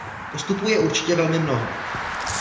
Postupů je určitě velmi mnoho.